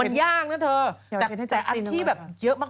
แต่อาทิตย์แบบเยอะมาก